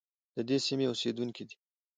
د دې سیمې اوسیدونکي دي.